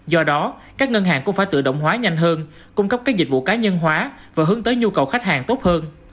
do đó các ngân hàng cũng phải tự động hóa nhanh hơn cung cấp các dịch vụ cá nhân hóa và hướng tới nhu cầu khách hàng tốt hơn